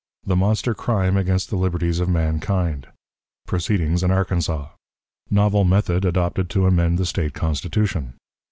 The Monster Crime against the Liberties of Mankind. Proceedings in Arkansas. Novel Method adopted to amend the State Constitution.